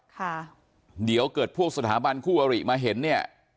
ค่ะเดี๋ยวเกิดพวกสถาบันคู่อริมาเห็นเนี่ย